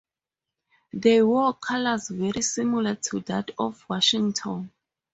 They wore colors very similar to that of Washington.